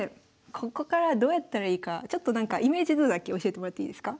ここからどうやったらいいかちょっとなんかイメージ図だけ教えてもらっていいですか？